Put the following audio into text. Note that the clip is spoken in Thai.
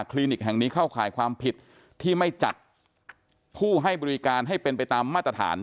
ลินิกแห่งนี้เข้าข่ายความผิดที่ไม่จัดผู้ให้บริการให้เป็นไปตามมาตรฐาน